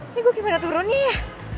ini gue gimana turunnya ya